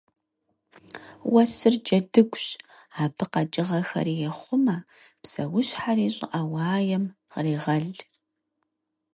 Уэсыр джэдыгущ: абы къэкӏыгъэхэр ехъумэ, псэущхьэри щӏыӏэ уаем кърегъэл.